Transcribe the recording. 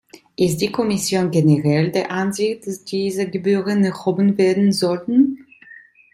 Ist die Kommission generell der Ansicht, dass diese Gebühren erhoben werden sollten?